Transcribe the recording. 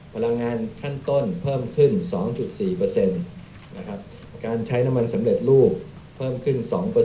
พลังงานขั้นต้นเพิ่มขึ้น๒๔การใช้น้ำมันสำเร็จรูปเพิ่มขึ้น๒